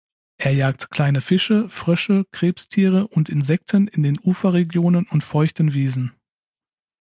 Er jagt kleine Fische, Frösche, Krebstiere und Insekten in den Uferregionen und feuchten Wiesen.